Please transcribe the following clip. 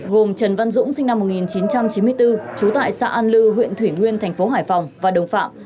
gồm trần văn dũng sinh năm một nghìn chín trăm chín mươi bốn trú tại xã an lư huyện thủy nguyên thành phố hải phòng và đồng phạm